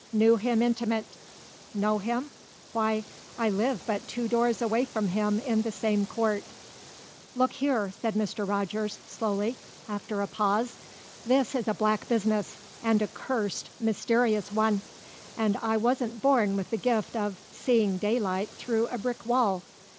"Knew him intimate. Know him? Why, I live but two doors away from him in the same court." "Look here," said Mr. Rogers, slowly, after a pause, "this is a black business, and a curst mysterious one, and I wasn't born with the gift of seeing daylight through a brick wall.